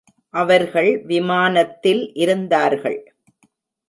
அவர்கள் விமானத்தில் இருந்தார்கள்!